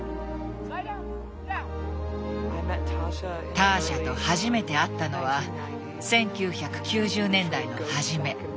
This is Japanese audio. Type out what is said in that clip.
ターシャと初めて会ったのは１９９０年代の初め。